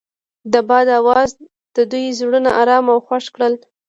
د باد اواز د دوی زړونه ارامه او خوښ کړل.